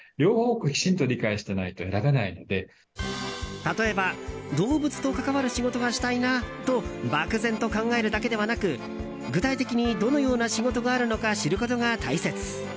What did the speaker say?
例えば動物と関わる仕事がしたいなと漠然と考えるだけではなく具体的にどのような仕事があるのか知ることが大切。